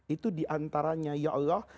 itu diantaranya ya allah